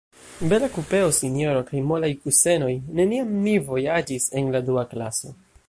Bela kupeo, sinjoro, kaj molaj kusenoj; neniam mi vojaĝis en la dua klaso.